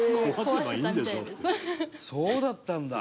そうだったんだ。